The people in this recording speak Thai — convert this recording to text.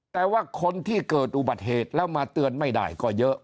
แต่ว่าคนที่เกิดอุบัติเหตุแล้วมาเตือนไม่ได้ก็เยอะ